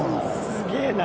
すげぇな。